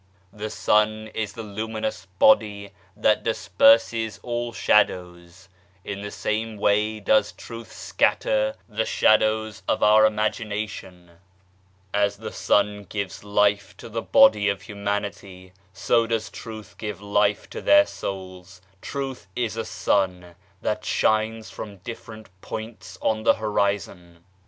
The Sun is the luminous body that disperses all shadows ; in the same way does Truth scatter the shadows of our 117 n8 THEOSOPHICAL SOCIETY imagination. As the Sun gives life to the body of humanity so does Truth give life to their souls. Truth is a sun that rises from different points on the horizon.